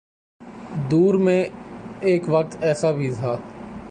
دور میں ایک وقت ایسا بھی تھا۔